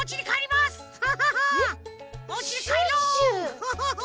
フフフフ！